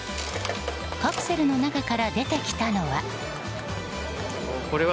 カプセルの中から出てきたのは。